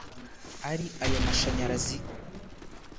Ari ayo mashanyarazi